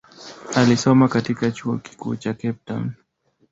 Alisoma katika chuo kikuu cha Cape Town.